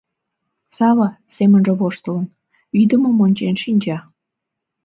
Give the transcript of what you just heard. Сава, семынже воштылын, ӱдымым ончен шинча: